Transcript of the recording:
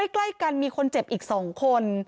ใกล้กันมีคนเจ็บอีก๒คน